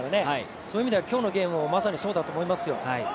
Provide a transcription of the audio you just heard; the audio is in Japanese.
そういう意味では、今日のゲームでもまさにそうだと思いますよ。